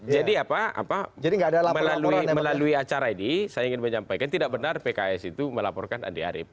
jadi apa apa melalui acara ini saya ingin menyampaikan tidak benar pks itu melaporkan andi arief